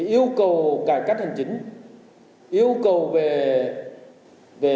yêu cầu cải cách hành chính yêu cầu về